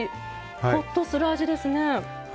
ほっとする味ですね。